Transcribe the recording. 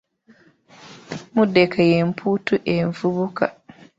Muddeke y’emputtu envubuka.